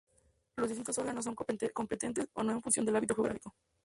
Los distintos órganos son competentes o no en función del ámbito geográfico.